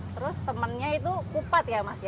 terus temennya itu kupat ya mas ya